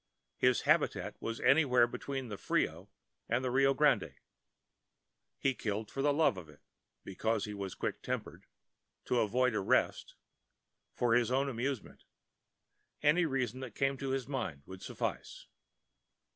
His habitat was anywhere between the Frio and the Rio Grande. He killed for the love of it—because he was quick tempered— to avoid arrest—for his own amusement—any reason that came to his mind would suffice.